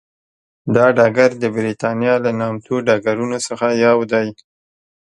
دا ډګر د برېتانیا له نامتو ډګرونو څخه یو دی.